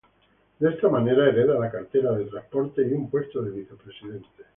De esta manera, hereda la cartera de Transportes y un puesto de vicepresidente.